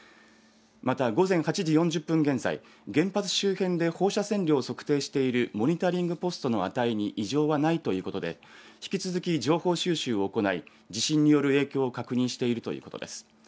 また午前８時４０分現在、原発周辺で放射線量を測定しているモニタリングポストの値に異常はないということで引き続き情報収集を行い地震による影響を確認しているということです。